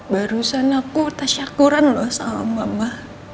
barusan aku tasyakuran loh sama mama